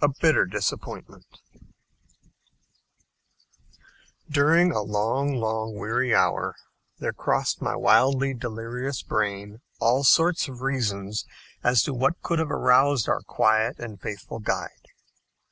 A BITTER DISAPPOINTMENT During a long, long, weary hour, there crossed my wildly delirious brain all sorts of reasons as to what could have aroused our quiet and faithful guide.